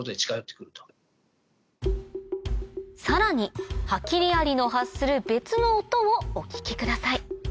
さらにハキリアリの発する別の音をお聞きください